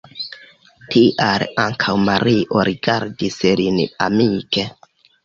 Tial ankaŭ Mario rigardis lin amike.